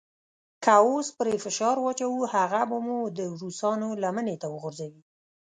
که اوس پرې فشار واچوو هغه به مو د روسانو لمنې ته وغورځوي.